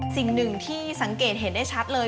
สิ่งหนึ่งที่สังเกตเห็นได้ชัดเลย